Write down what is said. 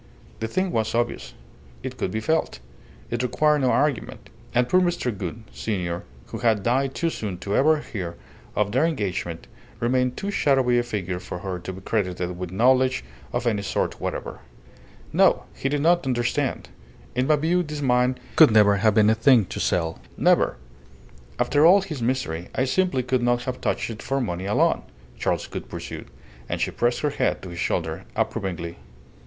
The thing was obvious. It could be felt. It required no argument. And poor Mr. Gould, senior, who had died too soon to ever hear of their engagement, remained too shadowy a figure for her to be credited with knowledge of any sort whatever. "No, he did not understand. In my view this mine could never have been a thing to sell. Never! After all his misery I simply could not have touched it for money alone," Charles Gould pursued: and she pressed her head to his shoulder approvingly.